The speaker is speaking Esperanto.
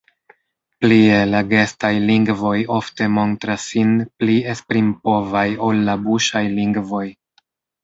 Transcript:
Plie, la gestaj lingvoj ofte montras sin pli esprimpovaj ol la buŝaj lingvoj.